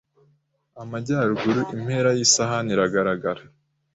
Amajyaruguru impera yisahani iragaragara